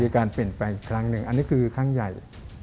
การเปลี่ยนแปลงอีกครั้งหนึ่งอันนี้คือครั้งใหญ่